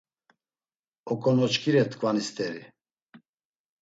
Oǩonoçǩire tkvani steri.